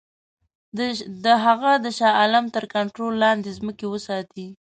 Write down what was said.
هغه د شاه عالم تر کنټرول لاندي ځمکې وساتي.